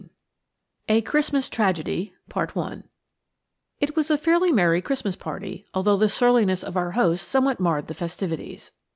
VIIA CHRISTMAS TRAGEDY IT was a fairly merry Christmas party, although the surliness of our host somewhat marred the festivities.